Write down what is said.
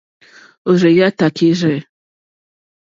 Òrzáā tākírzɛ́.